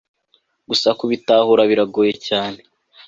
gusa kubitahura biragoye cyane